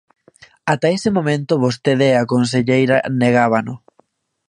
Ata ese momento vostede e a conselleira negábano.